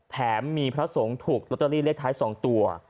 แถมมีพระทัศงทุกษ์ลโตเตอรี่เลขท้าย๒ตัว